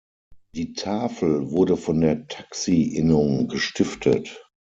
Die Tafel wurde von der Taxi-Innung gestiftet.